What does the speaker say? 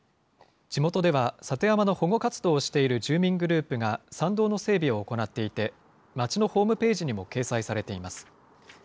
地元では里山の保護活動をしている住民グループが山道の整備を行っていて、町のホームページにも掲載されています。